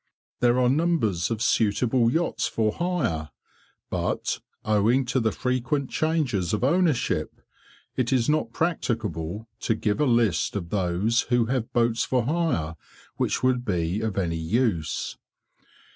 There are numbers of suitable yachts for hire, but, owing to the frequent changes of ownership, it is not practicable to give a list of those who have boats for hire, which would be of any use.